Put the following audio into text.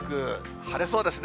晴れそうですね。